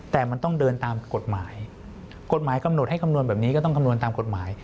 แต่มันต้องเดินตามกฎหมาย